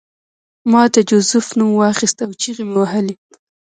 ما د جوزف نوم واخیست او چیغې مې وهلې